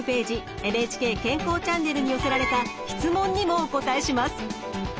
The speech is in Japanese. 「ＮＨＫ健康チャンネル」に寄せられた質問にもお答えします。